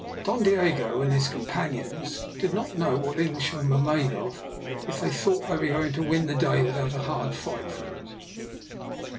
Don Diogo and his companions did not know what Englishmen were made of if they thought that they were going to win the day without a hard fight for it.